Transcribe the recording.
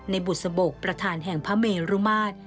บุษบกประธานแห่งพระเมรุมาตร